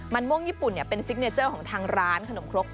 มันม่วงญี่ปุ่นเป็นซิกเนเจอร์ของทางร้านขนมครก